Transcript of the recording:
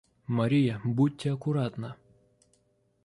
Мария, будьте аккуратна.